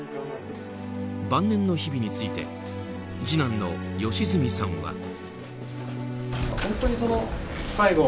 晩年の日々について次男の良純さんは。